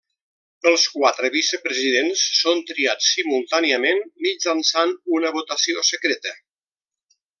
Els quatre vicepresidents són triats simultàniament mitjançant una votació secreta.